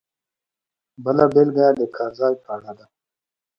بله بېلګه د کار ځای په اړه ده.